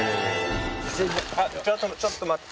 ちょっと待って。